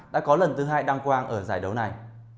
đã có lần thứ hai đăng quang ở giải đấu này